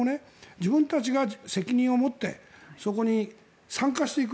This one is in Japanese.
自分たちが責任を持ってそこに参加していく。